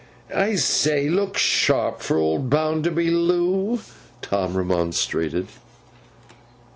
'I say! Look sharp for old Bounderby, Loo!' Tom remonstrated.